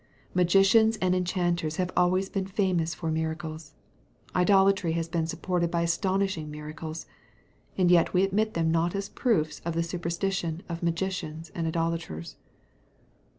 Magicians and enchanters have always been famous for miracles; idolatry has been supported by astonishing miracles; and yet we admit them not as proofs of the superstition of magicians or idolaters.